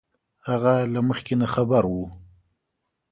هغه له مخکې نه خبر وو